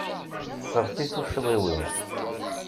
Seɣti tucḍiwin.